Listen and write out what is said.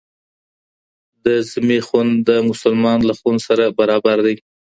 د ذمي خون د مسلمان له خون سره برابر دی.